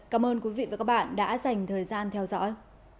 cảm ơn quý vị và các bạn đã dành thời gian theo dõi